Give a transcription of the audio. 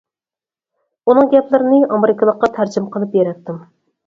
ئۇنىڭ گەپلىرىنى ئامېرىكىلىققا تەرجىمە قىلىپ بېرەتتىم.